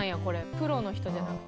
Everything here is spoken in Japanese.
プロの人じゃなくて。